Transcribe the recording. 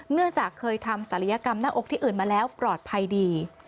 เนื่องจากเคยทำศัลยกรรมหน้าอกที่อื่นมาแล้วปลอดภัยดี